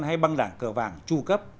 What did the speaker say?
hay băng đảng cờ vàng tru cấp